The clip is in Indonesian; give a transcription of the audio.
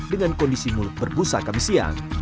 dengan kondisi mulut berbusa kemisian